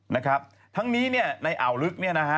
นะครับทั้งนี้เนี่ยในอ่าวลึกเนี่ยนะฮะ